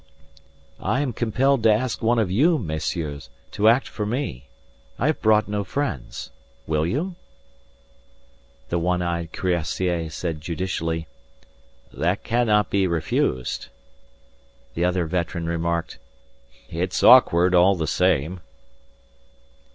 "I am compelled to ask one of you, messieurs, to act for me. I have brought no friends. Will you?" The one eyed cuirassier said judicially: "That cannot be refused." The other veteran remarked: "It's awkward all the same."